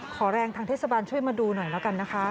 ขอแรงทางเทศบาลช่วยมาดูหน่อยแล้วกันนะคะ